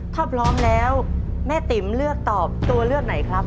ถ้าพร้อมแล้วแม่ติ๋มเลือกตอบตัวเลือกไหนครับ